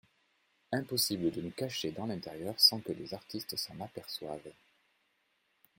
Impossible de nous cacher dans l'intérieur sans que les artistes s'en aperçoivent.